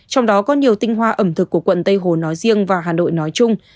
trong đó có nhiều tinh hoa ẩm thực của quận tây hồ nói riêng và hà nội nói chung